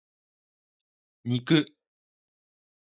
肉